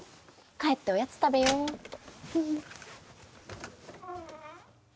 帰っておやつ食べよっと。